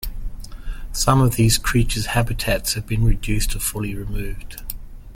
Some of these creatures' habitats has been reduced or fully removed.